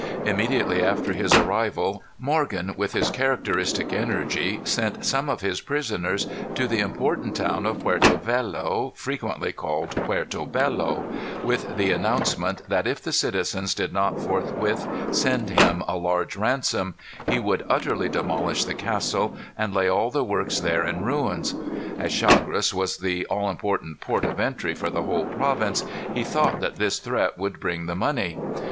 Immediately after his arrival, Morgan, with his characteristic energy, sent some of his prisoners to the important town of Puerto Velo, frequently called Puerto Bello, with the announcement that if the citizens did not forthwith send him a large ransom, he would utterly demolish the castle and lay all the works there in ruins. As Chagres was the all important port of entry for the whole province, he thought that this threat would bring the money.